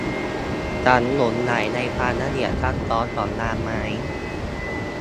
ฉันหลงใหลในความละเอียดซับซ้อนของงานไม้